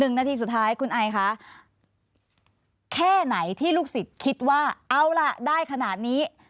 นาทีสุดท้ายคุณไอคะแค่ไหนที่ลูกศิษย์คิดว่าเอาล่ะได้ขนาดนี้